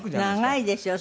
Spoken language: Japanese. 長いですよ。